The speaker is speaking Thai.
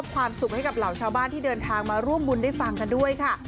ความสุขให้กับเหล่าชาวบ้านที่เดินทางมาร่วมบุญได้ฟังกันด้วยค่ะ